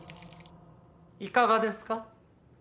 いかがですか？